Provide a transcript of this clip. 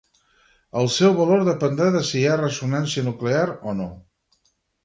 El seu valor dependrà de si hi ha ressonància nuclear o no.